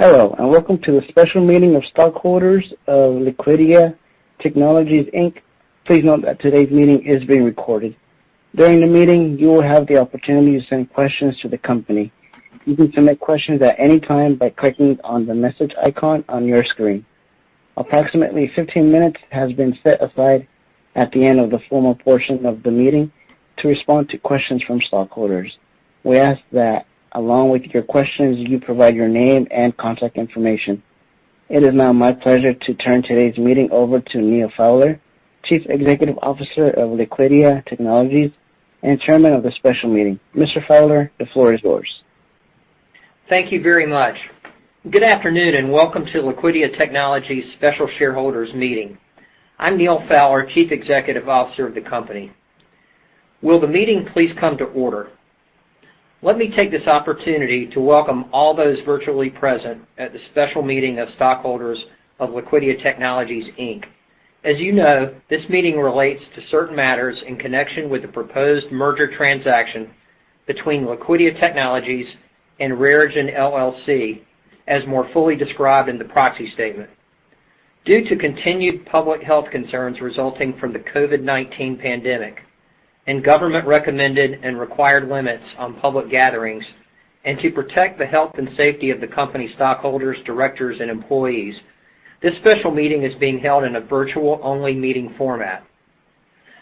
Hello, and welcome to the special meeting of stockholders of Liquidia Technologies, Inc. Please note that today's meeting is being recorded. During the meeting, you will have the opportunity to send questions to the company. You can submit questions at any time by clicking on the message icon on your screen. Approximately 15 minutes has been set aside at the end of the formal portion of the meeting to respond to questions from stockholders. We ask that, along with your questions, you provide your name and contact information. It is now my pleasure to turn today's meeting over to Neal Fowler, Chief Executive Officer of Liquidia Technologies, and Chairman of the special meeting. Mr. Fowler, the floor is yours. Thank you very much. Good afternoon, and welcome to Liquidia Technologies' special shareholders meeting. I'm Neal Fowler, Chief Executive Officer of the company. Will the meeting please come to order? Let me take this opportunity to welcome all those virtually present at the special meeting of stockholders of Liquidia Technologies, Inc. As you know, this meeting relates to certain matters in connection with the proposed merger transaction between Liquidia Technologies and RareGen, LLC, as more fully described in the proxy statement. Due to continued public health concerns resulting from the COVID-19 pandemic and government-recommended and required limits on public gatherings, and to protect the health and safety of the company stockholders, directors, and employees, this special meeting is being held in a virtual-only meeting format.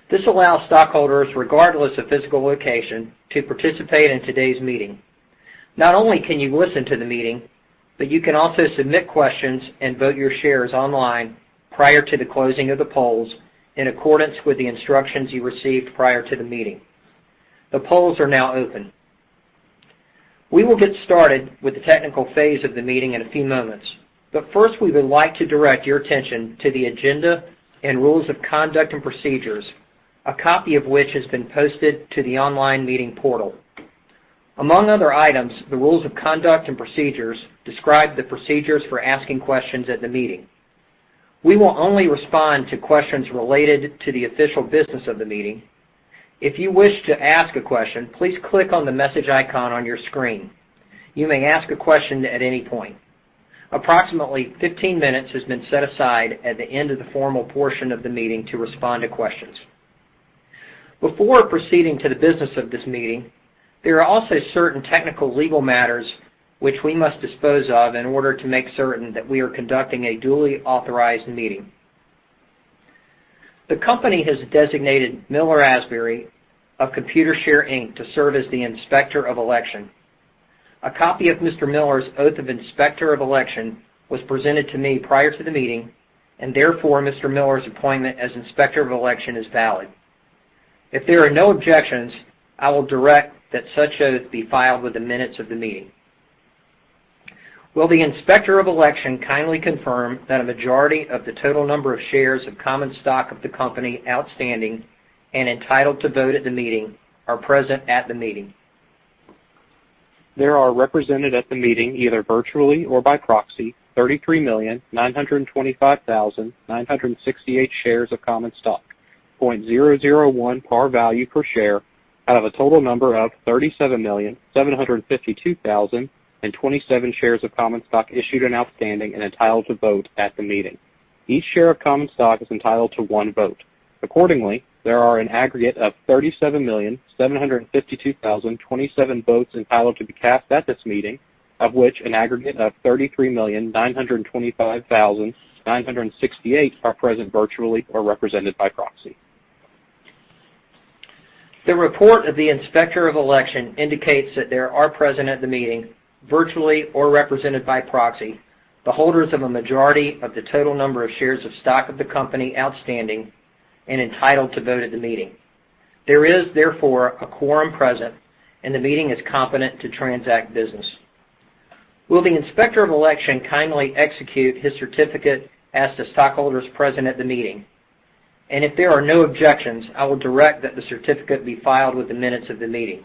This allows stockholders, regardless of physical location, to participate in today's meeting. Not only can you listen to the meeting, but you can also submit questions and vote your shares online prior to the closing of the polls in accordance with the instructions you received prior to the meeting. The polls are now open. We will get started with the technical phase of the meeting in a few moments. First, we would like to direct your attention to the agenda and rules of conduct and procedures, a copy of which has been posted to the online meeting portal. Among other items, the rules of conduct and procedures describe the procedures for asking questions at the meeting. We will only respond to questions related to the official business of the meeting. If you wish to ask a question, please click on the message icon on your screen. You may ask a question at any point. Approximately 15 minutes has been set aside at the end of the formal portion of the meeting to respond to questions. Before proceeding to the business of this meeting, there are also certain technical legal matters which we must dispose of in order to make certain that we are conducting a duly authorized meeting. The company has designated Miller Asbury of Computershare, Inc. to serve as the Inspector of Election. A copy of Mr. Miller's oath of Inspector of Election was presented to me prior to the meeting, and therefore, Mr. Miller's appointment as Inspector of Election is valid. If there are no objections, I will direct that such oath be filed with the minutes of the meeting. Will the Inspector of Election kindly confirm that a majority of the total number of shares of common stock of the company outstanding and entitled to vote at the meeting are present at the meeting? There are represented at the meeting, either virtually or by proxy, 33,925,968 shares of common stock, $0.001 par value per share, out of a total number of 37,752,027 shares of common stock issued and outstanding and entitled to vote at the meeting. Each share of common stock is entitled to one vote. Accordingly, there are an aggregate of 37,752,027 votes entitled to be cast at this meeting, of which an aggregate of 33,925,968 are present virtually or represented by proxy. The report of the Inspector of Election indicates that there are present at the meeting, virtually or represented by proxy, the holders of a majority of the total number of shares of stock of the company outstanding and entitled to vote at the meeting. There is therefore a quorum present, and the meeting is competent to transact business. Will the Inspector of Election kindly execute his certificate as to stockholders present at the meeting? If there are no objections, I will direct that the certificate be filed with the minutes of the meeting.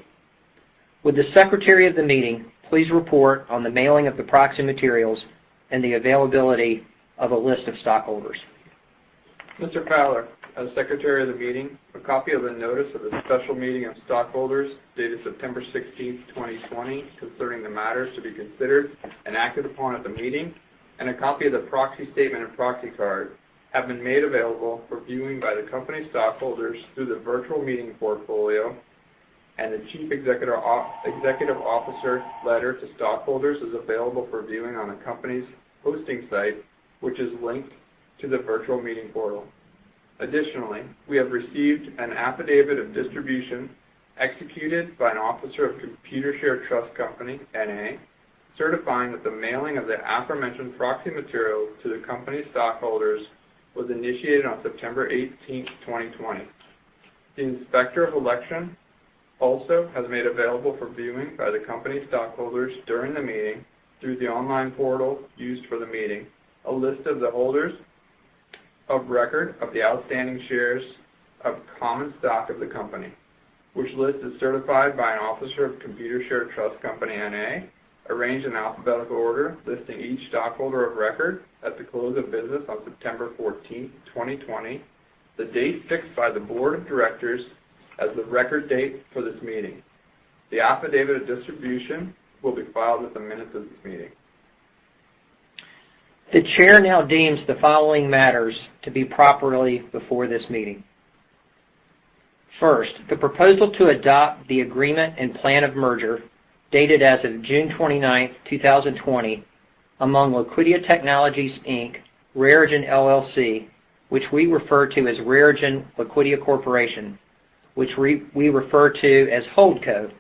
Would the Secretary of the meeting please report on the mailing of the proxy materials and the availability of a list of stockholders? Mr. Fowler, as Secretary of the meeting, a copy of the notice of the special meeting of stockholders dated September 16th, 2020, concerning the matters to be considered and acted upon at the meeting and a copy of the proxy statement and proxy card have been made available for viewing by the company stockholders through the virtual meeting portal, and the Chief Executive Officer letter to stockholders is available for viewing on the company's hosting site, which is linked to the virtual meeting portal. Additionally, we have received an affidavit of distribution executed by an officer of Computershare Trust Company, N.A., certifying that the mailing of the aforementioned proxy material to the company stockholders was initiated on September 18th, 2020. The Inspector of Election also has made available for viewing by the company stockholders during the meeting through the online portal used for the meeting a list of the holders of record of the outstanding shares of common stock of the company, which list is certified by an officer of Computershare Trust Company, N.A., arranged in alphabetical order, listing each stockholder of record at the close of business on September 14th, 2020, the date fixed by the board of directors As the record date for this meeting. The affidavit of distribution will be filed with the minutes of this meeting. The chair now deems the following matters to be properly before this meeting. First, the proposal to adopt the Agreement and Plan of Merger dated as of June 29, 2020, among Liquidia Technologies, Inc., RareGen, LLC, which we refer to as RareGen, Liquidia Corporation, Liquidia Corporation, which we refer to as Holdco,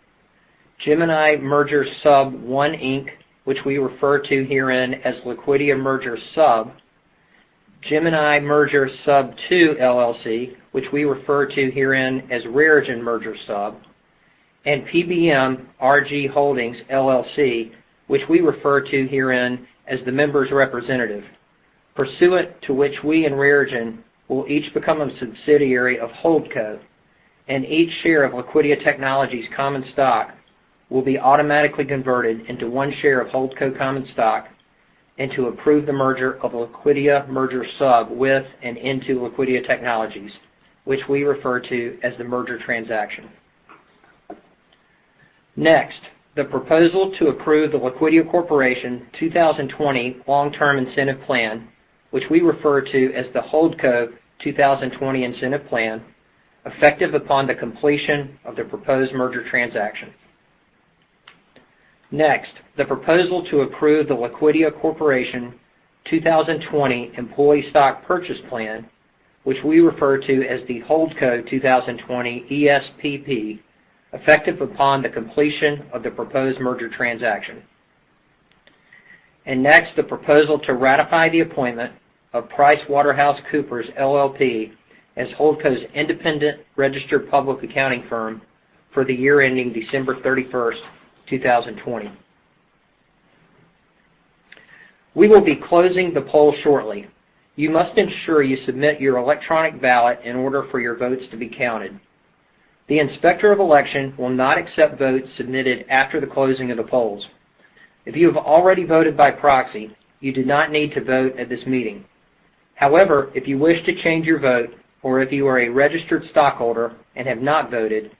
Gemini Merger Sub I, Inc., which we refer to herein as Liquidia Merger Sub, Gemini Merger Sub II, LLC, which we refer to herein as RareGen Merger Sub, and PBM RG Holdings, LLC, which we refer to herein as the members' representative, pursuant to which we and RareGen will each become a subsidiary of Holdco, and each share of Liquidia Technologies common stock will be automatically converted into one share of Holdco common stock, and to approve the merger of Liquidia Merger Sub with and into Liquidia Technologies, which we refer to as the merger transaction. Next, the proposal to approve the Liquidia Corporation 2020 long-term incentive plan, which we refer to as the Holdco 2020 incentive plan, effective upon the completion of the proposed merger transaction. The proposal to approve the Liquidia Corporation 2020 employee stock purchase plan, which we refer to as the Holdco 2020 ESPP, effective upon the completion of the proposed merger transaction. The proposal to ratify the appointment of PricewaterhouseCoopers LLP as Holdco's independent registered public accounting firm for the year ending December 31st, 2020. We will be closing the poll shortly. You must ensure you submit your electronic ballot in order for your votes to be counted. The Inspector of Election will not accept votes submitted after the closing of the polls. If you have already voted by proxy, you do not need to vote at this meeting. However, if you wish to change your vote or if you are a registered stockholder and have not voted,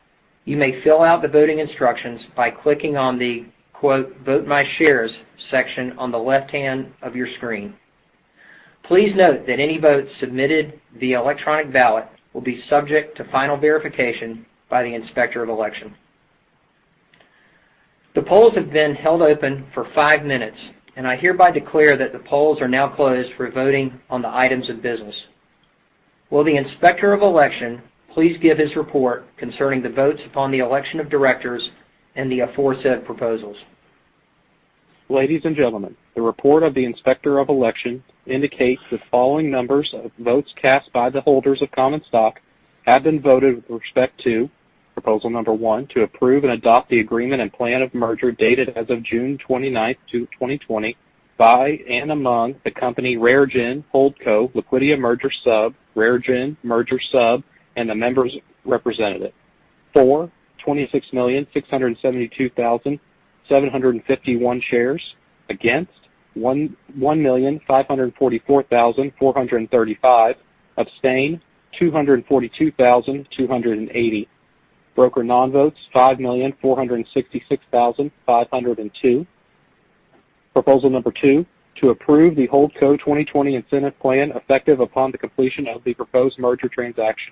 you may fill out the voting instructions by clicking on the "Vote My Shares" section on the left-hand of your screen. Please note that any votes submitted via electronic ballot will be subject to final verification by the Inspector of Election. The polls have been held open for five minutes, and I hereby declare that the polls are now closed for voting on the items of business. Will the Inspector of Election please give his report concerning the votes upon the election of directors and the aforesaid proposals. Ladies and gentlemen, the report of the Inspector of Election indicates the following numbers of votes cast by the holders of common stock have been voted with respect to proposal number one, to approve and adopt the Agreement and Plan of Merger dated as of June 29th, 2020, by and among the company RareGen, Holdco, Liquidia Merger Sub, RareGen Merger Sub, and the members' representative. For, 26,672,751 shares. Against, 1,544,435. Abstain, 242,280. Broker non-votes, 5,466,502. Proposal number two, to approve the Holdco 2020 Incentive Plan effective upon the completion of the proposed merger transaction.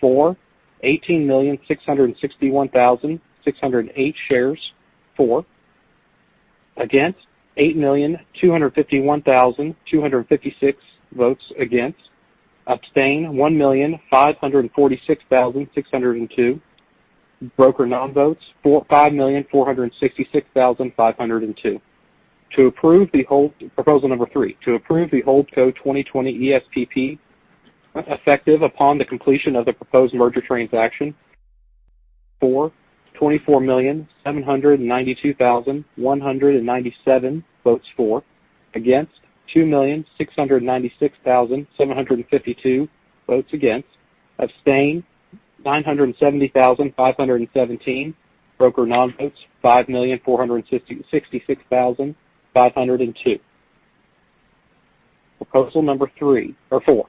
For, 18,661,608 shares for. Against, 8,251,256 votes against. Abstain, 1,546,602. Broker non-votes, 5,466,502. Proposal number three, to approve the Holdco 2020 ESPP effective upon the completion of the proposed merger transaction. For, 24,792,197 votes for. Against, 2,696,752 votes against. Abstain, 970,517. Broker non-votes, 5,466,502. Proposal number four,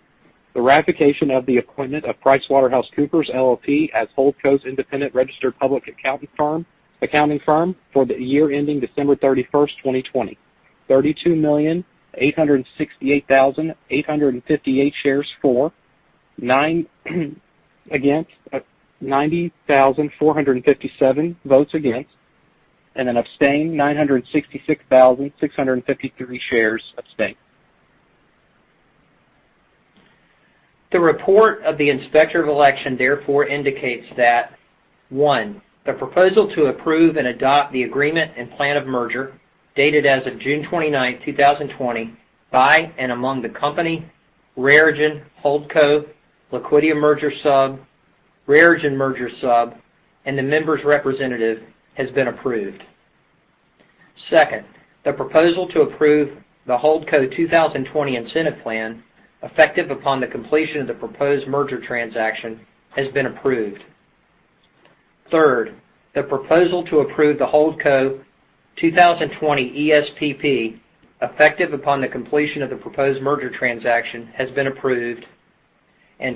the ratification of the appointment of PricewaterhouseCoopers LLP as Holdco's independent registered public accounting firm for the year ending December 31st, 2020. 32,868,858 shares for. Against, 90,457 votes against. Then abstain, 966,653 shares abstained. The report of the Inspector of Election therefore indicates that, one, the proposal to approve and adopt the Agreement and Plan of Merger dated as of June 29th, 2020, by and among the company RareGen, Holdco, Liquidia Merger Sub, RareGen Merger Sub, and the members' representative has been approved. Second, the proposal to approve the Holdco 2020 incentive plan effective upon the completion of the proposed merger transaction has been approved. Third, the proposal to approve the Holdco 2020 ESPP, effective upon the completion of the proposed merger transaction, has been approved.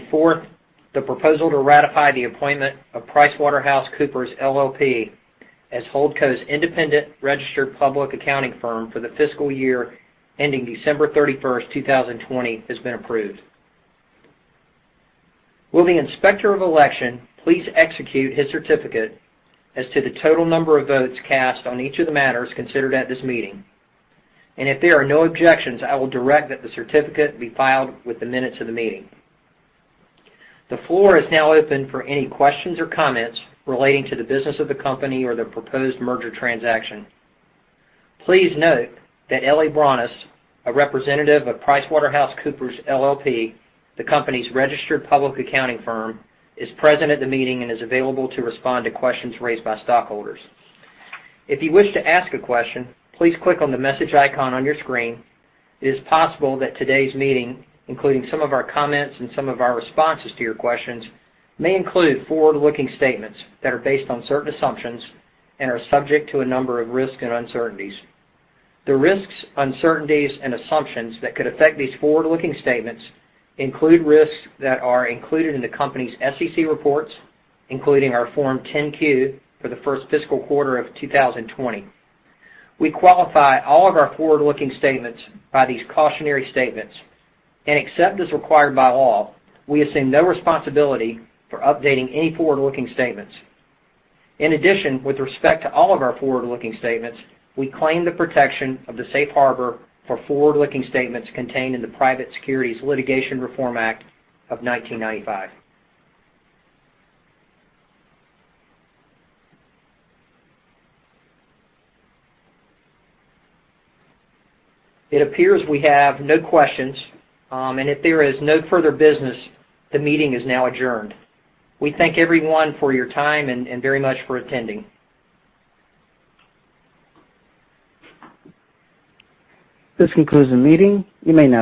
Fourth, the proposal to ratify the appointment of PricewaterhouseCoopers, LLP as Holdco's independent registered public accounting firm for the fiscal year ending December 31st, 2020, has been approved. Will the Inspector of Election please execute his certificate as to the total number of votes cast on each of the matters considered at this meeting? If there are no objections, I will direct that the certificate be filed with the minutes of the meeting. The floor is now open for any questions or comments relating to the business of the company or the proposed merger transaction. Please note that Ellie Brones, a representative of PricewaterhouseCoopers LLP, the company's registered public accounting firm, is present at the meeting and is available to respond to questions raised by stockholders. If you wish to ask a question, please click on the message icon on your screen. It is possible that today's meeting, including some of our comments and some of our responses to your questions, may include forward-looking statements that are based on certain assumptions and are subject to a number of risks and uncertainties. The risks, uncertainties, and assumptions that could affect these forward-looking statements include risks that are included in the company's SEC reports, including our Form 10-Q for the first fiscal quarter of 2020. We qualify all of our forward-looking statements by these cautionary statements, and except as required by law, we assume no responsibility for updating any forward-looking statements. In addition, with respect to all of our forward-looking statements, we claim the protection of the safe harbor for forward-looking statements contained in the Private Securities Litigation Reform Act of 1995. It appears we have no questions. If there is no further business, the meeting is now adjourned. We thank everyone for your time and very much for attending. This concludes the meeting. You may now disconnect.